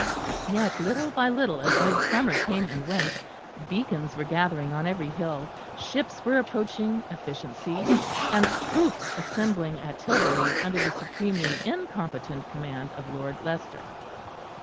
Yet, little by little, as midsummer came and went, beacons were gathering on every hill, ships were approaching efficiency, and troops assembling at Tilbury under the supremely incompetent command of Lord Leicester.